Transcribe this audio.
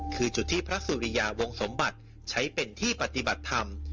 คือจุดที่พระสุริยาวงสมบัติใช้เป็นที่ปฏิบัติธรรม